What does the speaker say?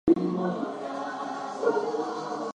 Joe Mendelson and I were going to archive a list of songs.